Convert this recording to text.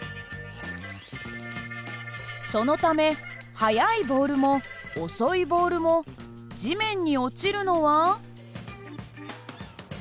そのため速いボールも遅いボールも地面に落ちるのは。